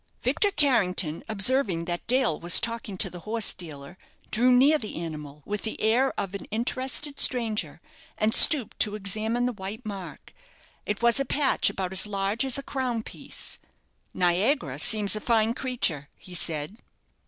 Victor Carrington, observing that Dale was talking to the horse dealer, drew near the animal, with the air of an interested stranger, and stooped to examine the white mark. It was a patch about as large as a crown piece. "'Niagara' seems a fine creature," he said.